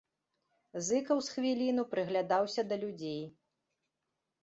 Зыкаў з хвіліну прыглядаўся да людзей.